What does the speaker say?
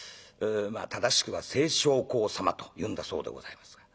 正しくは清正公様というんだそうでございますが。